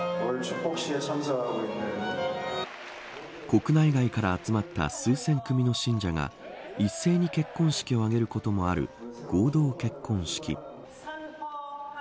国内外から集まった数千組の信者が一斉に結婚式を挙げることもある合同結婚式。